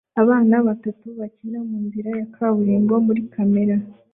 Abana batatu bakina munzira ya kaburimbo muri kamere